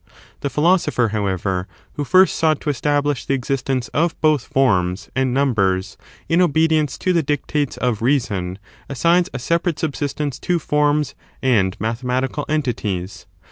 The philosopher, howeyer,^ who first sought to establirfi the existence of both forms and num took a*true *^°* bers, in obedience to the dictates of reason assigns JubTec/'^* a separate subsistence to forms and mathematical entities.